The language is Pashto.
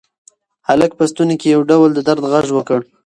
هلک په ستوني کې یو ډول د درد غږ وکړ.